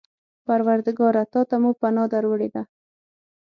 پروردګاره! تا ته مو پناه در وړې ده.